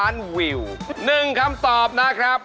โยกครับ